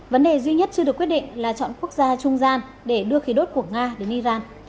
vấn đề duy nhất chưa được quyết định là chọn quốc gia trung gian để đưa khí đốt của nga đến iran